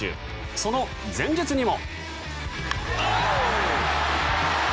その前日にも。